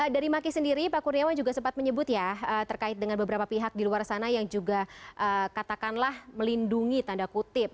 dari maki sendiri pak kurniawan juga sempat menyebut ya terkait dengan beberapa pihak di luar sana yang juga katakanlah melindungi tanda kutip